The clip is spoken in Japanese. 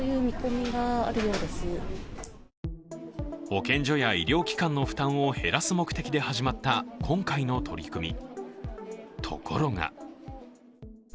保健所や医療機関の負担を減らす目的で始まった今回の取り組み。